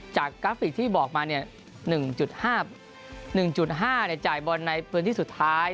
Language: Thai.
กราฟิกที่บอกมา๑๕๑๕จ่ายบอลในพื้นที่สุดท้าย